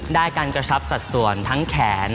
การกระชับสัดส่วนทั้งแขน